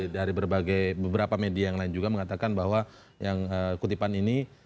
dari beberapa media yang lain juga mengatakan bahwa yang kutipan ini